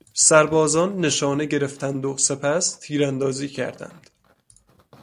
سربازان نشانه گرفتند و سپس تیراندازی کردند.